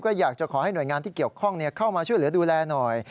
ก็อยากจะขอให้หน่วยงานที่เกี่ยวข้องเข้ามาช่วยเหลือดูแลหน่อย